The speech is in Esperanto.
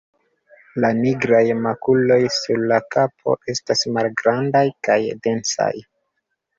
La nigraj makuloj sur la kapo estas malgrandaj kaj densaj.